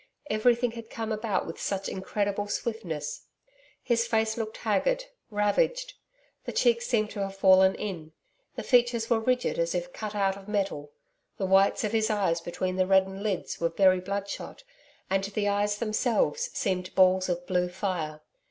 Everything had come about with such incredible swiftness. His face looked haggard, ravaged. The cheeks seemed to have fallen in. The features were rigid as if cut out of metal. The whites of his eyes between the reddened lids were very blood shot and the eyes themselves seemed balls of blue fire.